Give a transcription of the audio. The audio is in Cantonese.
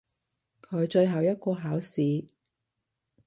佢最後一個考試！